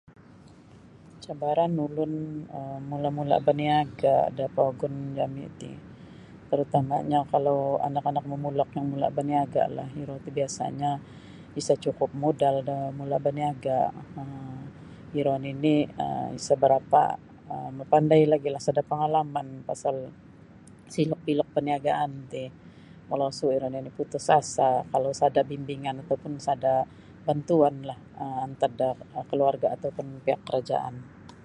Cabaran ulun um mula-mula baniaga da pogun jami ti tarutamanyo kalau anak-anak momulok yang mula baniagalah iro ti biasanyo isa cukup modal do mula baniaga um iro nini um sa barapa mapandai lagi sada pangalaman pasal selok belok perniagaan ti molosu iro nio putus asa kalau sada bimbingan atau kalau sada bantuanlah antad da keluarga atau pun pihak kerajaan.